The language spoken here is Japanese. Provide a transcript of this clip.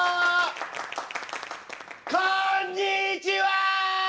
こんにちは！